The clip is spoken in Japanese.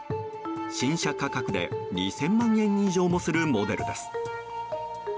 新車価格で２０００万円以上もするモデルです。